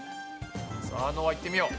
さあのあいってみよう。